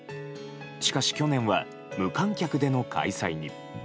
しかし去年は無観客での開催に。